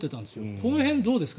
この辺どうですか？